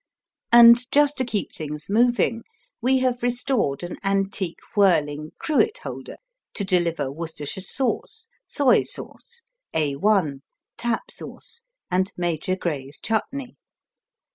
And, just to keep things moving, we have restored an antique whirling cruet holder to deliver Worcestershire sauce, soy sauce, A 1, Tap Sauce and Major Grey's Chutney.